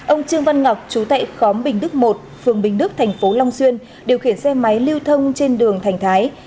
ông trương văn ngọc chú tệ khóm bình đức một phường bình đức thành phố long xuyên điều khiển xe máy lưu thông trên đường thành thái